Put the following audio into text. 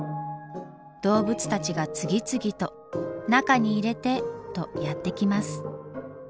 動物たちが次々と「中に入れて」とやって来ます。